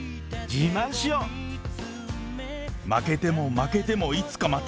負けても負けてもいつかまた。